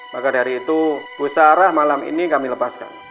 maka dari itu bu sarah malam ini kami lepaskan